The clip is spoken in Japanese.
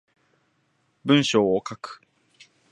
文章を書く